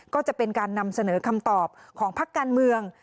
ก็จะเป็นการนำเสนอคำตอบของพักการเมือง